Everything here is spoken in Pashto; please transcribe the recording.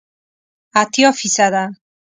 اتیا فیصده